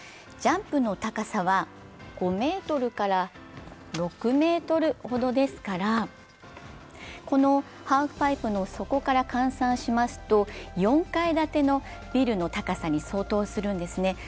ジャンプの高さは５ｍから６ｍほどですから、このハーフパイプの底から換算しますと４階建てのビルの高さに相当するんですね。